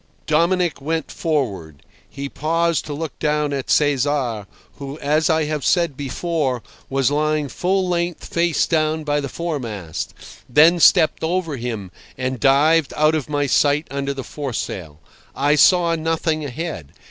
Dominic went forward. He paused to look down at Cesar, who, as I have said before, was lying full length face down by the foremast, then stepped over him, and dived out of my sight under the foresail. I saw nothing ahead.